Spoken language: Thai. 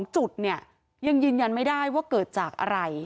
๒จุดเนี่ยยังยืนยันไม่ได้ว่าเกิดจากอะไร